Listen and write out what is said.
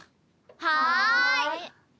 はい。